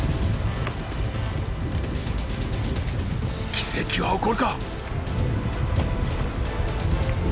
奇跡は起こるか？